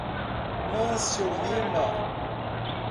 Mâncio Lima